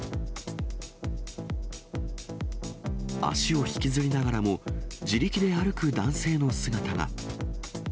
足を引きずりながらも、自力で歩く男性の姿が。